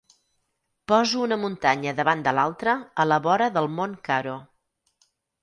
Poso una muntanya davant de l'altra, a la vora del Mont Caro.